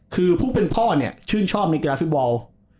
คือผู้เป็นพ่อเนี่ยชื่นชอบในกีฬาฟุตบอล